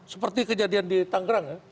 seperti kejadian di tanggerang